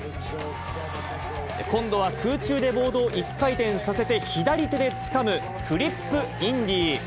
今度は空中でボードを１回転させて左手でつかむ、フリップインディ。